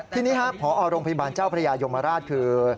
ทีนี้ครับพอโรงพยาบาลเจ้าพระยายมราชคือ